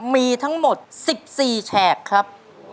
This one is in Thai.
มีทั้งหมด๑๔แฉกครับ